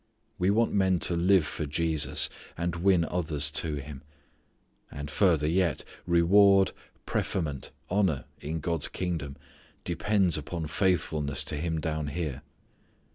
We want men to live for Jesus, and win others to Him. And further, yet, reward, preferment, honour in God's kingdom depends upon faithfulness to Him down here.